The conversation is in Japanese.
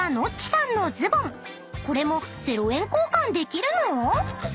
［これも０円交換できるの？］